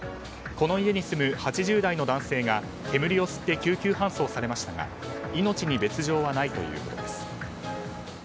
この家に住む８０代の男性が煙を吸って救急搬送されましたが命に別条はないということです。